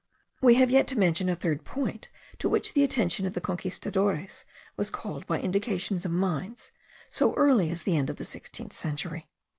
We have yet to mention a third point to which the attention of the Conquistadores was called by indications of mines, so early as the end of the sixteenth century.